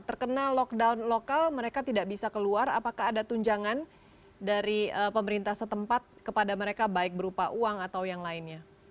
terkena lockdown lokal mereka tidak bisa keluar apakah ada tunjangan dari pemerintah setempat kepada mereka baik berupa uang atau yang lainnya